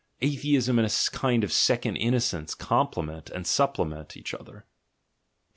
Atheism and a kind of second innocence complement and supplement each other. 21.